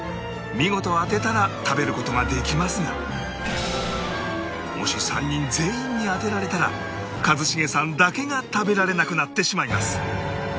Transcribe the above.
見事当てたら食べる事ができますがもし３人全員に当てられたら一茂さんだけが食べられなくなってしまいます